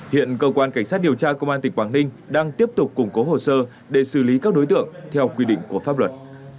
hiện cơ quan cảnh sát điều tra công an tỉnh quảng ninh đang tiếp tục củng cố hồ sơ để xử lý các đối tượng theo quy định của pháp luật